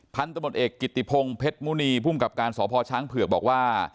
พันธมตเอกกิติพงศ์เพชรมุณีภูมิกับการสพช้างเผือกบอกว่า